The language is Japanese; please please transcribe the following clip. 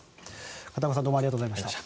片岡さんどうもありがとうございました。